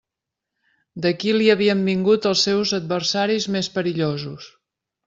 D'aquí li havien vingut els seus adversaris més perillosos.